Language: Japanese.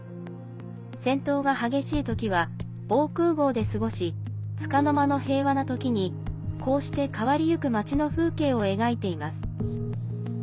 戦闘が激しいときは防空ごうで過ごしつかの間の平和なときにこうして、変わりゆく町の風景を描いています。